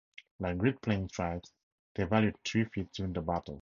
Like Great Plains tribes, they valued three feats during a battle.